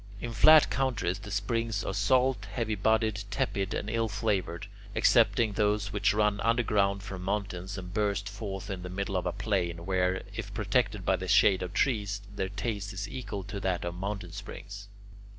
In flat countries the springs are salt, heavy bodied, tepid, and ill flavoured, excepting those which run underground from mountains, and burst forth in the middle of a plain, where, if protected by the shade of trees, their taste is equal to that of mountain springs.